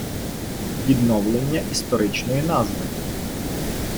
Відновлення історичної назви.